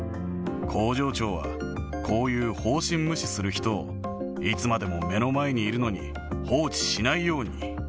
工場長は、こういう方針無視する人を、いつまでも目の前にいるのに放置しないように。